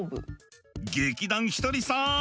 劇団ひとりさん